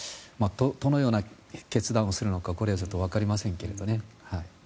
どのような決断をするのかこれはわかりませんけれどね。